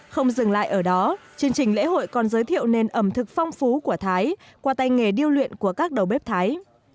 không dừng lại ở đó chương trình lễ hội còn giới thiệu nền ẩm thực phong phú của thái qua tay nghề điêu luyện của các đầu bếp thái